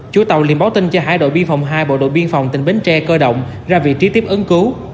chủ tàu liên báo tin cho hải đội biên phòng hai bộ đội biên phòng tỉnh bến tre cơ động ra vị trí tiếp ứng cứu